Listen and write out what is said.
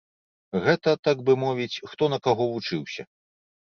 Гэта, так бы мовіць, хто на каго вучыўся.